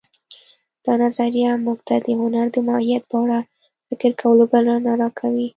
دا نظریه موږ ته د هنر د ماهیت په اړه فکر کولو بلنه راکوي